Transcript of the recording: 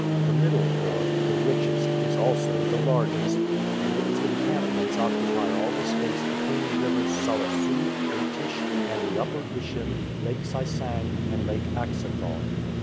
The middle horde, the richest, is also the largest, and its encampments occupy all the space between the rivers Sara Sou, Irtish, and the Upper Ishim, Lake Saisang and Lake Aksakal.